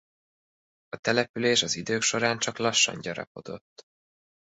A település az idők során csak lassan gyarapodott.